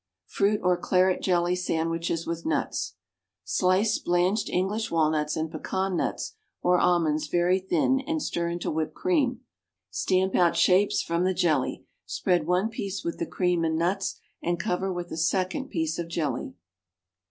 =Fruit or Claret Jelly Sandwiches with Nuts.= Slice blanched English walnuts and pecan nuts or almonds very thin, and stir into whipped cream. Stamp out shapes from the jelly. Spread one piece with the cream and nuts and cover with a second piece of jelly.